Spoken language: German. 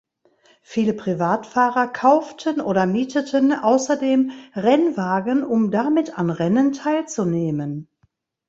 Viele Privatfahrer kauften oder mieteten außerdem Rennwagen um damit an Rennen teilzunehmen.